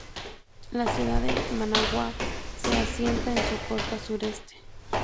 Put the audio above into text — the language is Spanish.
La ciudad de Managua se asienta en su costa sureste.